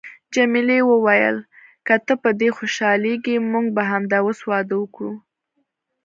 جميلې وويل: که ته په دې خوشحالیږې، موږ به همدا اوس واده وکړو.